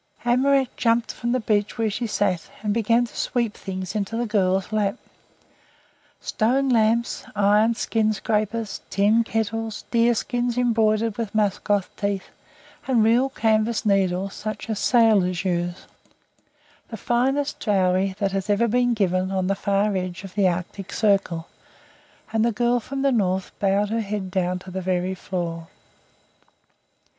Amoraq jumped from the bench where she sat, and began to sweep things into the girl's lap stone lamps, iron skin scrapers, tin kettles, deer skins embroidered with musk ox teeth, and real canvas needles such as sailors use the finest dowry that has ever been given on the far edge of the Arctic Circle, and the girl from the North bowed her head down to the very floor.